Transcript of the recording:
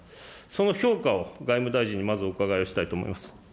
その評価を外務大臣にまずお伺いしたいと思います。